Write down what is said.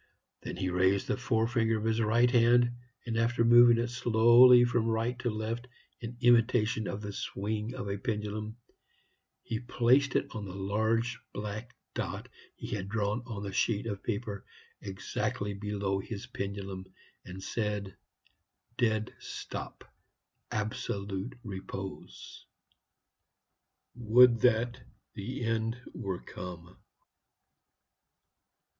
Then he raised the forefinger of his right hand, and after moving it slowly from right to left, in imitation of the swing of a pendulum, he placed it on the large black dot he had drawn on the sheet of paper exactly below his pendulum, and said, "Dead Stop, Absolute Repose. Would that the end were come!"